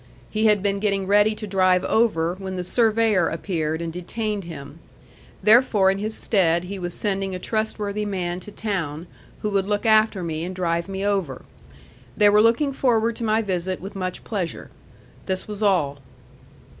He had been getting ready to drive over, when the surveyor appeared and detained him. Therefore in his stead he was sending a trustworthy man to town, who would look after me and drive me over. They were looking forward to my visit with much pleasure. This was all.